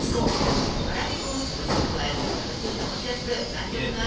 わらび粉を少し加えると形を保ちやすく弾力のある食感になりますよ。